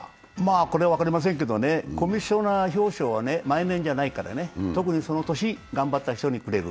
これは分かりませんけれども、コミッショナー表彰は毎年じゃないからね、特にその年頑張った人にくれる。